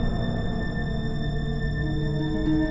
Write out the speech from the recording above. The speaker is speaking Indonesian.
tuh kita ke kantin dulu gi